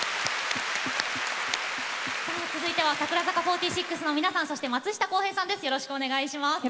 続いては櫻坂４６の皆さん松下洸平さんです。